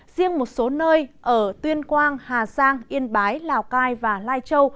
riêng một số nơi ở tuyên quang hà giang yên bái lào cai và lai châu